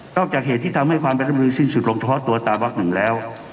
จากเหตุที่ทำให้ความเป็นธรรมนูสิ้นสุดลงเฉพาะตัวตามวักหนึ่งแล้ว